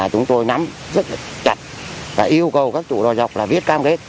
chúng tôi nắm rất là chặt và yêu cầu các chủ đòi dọc là viết cam kết